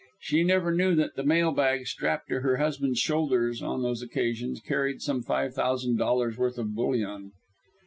She never knew that the mail bag strapped to her husband's shoulders on those occasions carried some five thousand dollars' worth of bullion.